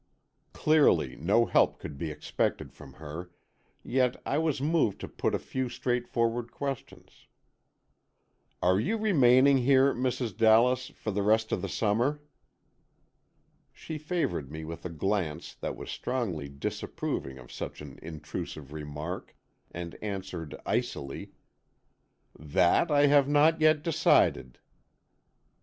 Clearly, no help could be expected from her, yet I was moved to put a few straightforward questions. "Are you remaining here, Mrs. Dallas, for the rest of the summer?" She favoured me with a glance that was strongly disapproving of such an intrusive remark, and answered, icily: "That I have not yet decided."